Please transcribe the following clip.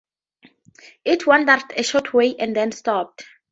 It wandered a short way and then stopped.